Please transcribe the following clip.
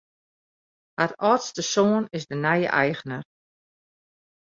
Har âldste soan is de nije eigner.